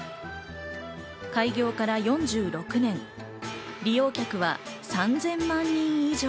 開業から４６年、利用客は３０００万人以上。